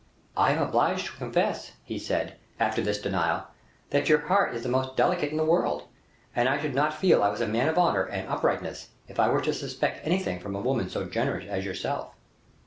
"I am obliged to confess," he said, after this denial, "that your heart is the most delicate in the world, and I should not feel I was a man of honor and uprightness if I were to suspect anything from a woman so generous as yourself."